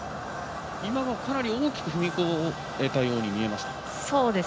今はかなり大きく踏み越えたように見えました。